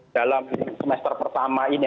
dalam semester pertama ini